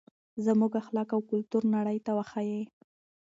زموږ اخلاق او کلتور نړۍ ته وښایئ.